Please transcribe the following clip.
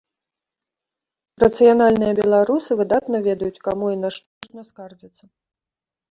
Рацыянальныя беларусы выдатна ведаюць, каму і на што можна скардзіцца.